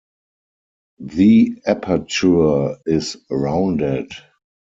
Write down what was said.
The aperture is rounded.